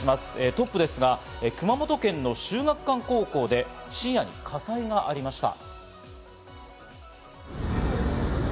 トップですが、熊本県の秀岳館高校で深夜に火災がありました。